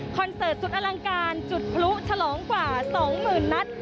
เสิร์ตสุดอลังการจุดพลุฉลองกว่า๒๐๐๐นัด